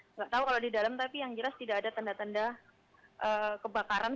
nggak tahu kalau di dalam tapi yang jelas tidak ada tanda tanda kebakaran